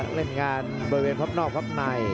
เล่นกับท่านครับ